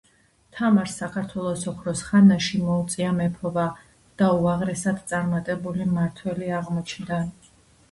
თამარს საქართველოს ოქროს ხანაში მოუწია მეფობა და უაღრესად წარმატებული მმართველი აღმოჩნდა